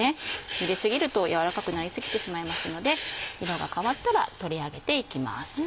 ゆで過ぎると柔らかくなり過ぎてしまいますので色が変わったら取り上げていきます。